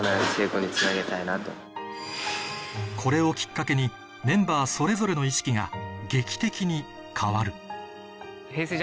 これをきっかけにメンバーそれぞれの意識が劇的に変わるＨｅｙ！